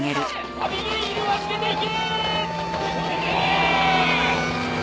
アビゲイルは出ていけ！